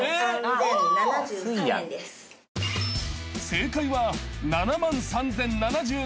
［正解は７万３，０７３円］